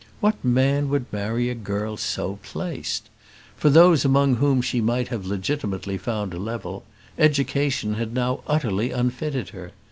What man would marry a girl so placed? For those among whom she might have legitimately found a level, education had now utterly unfitted her.